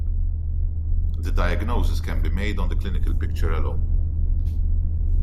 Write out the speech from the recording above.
The diagnosis can be made on the clinical picture alone.